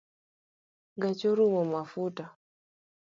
Gacha orumo mafuta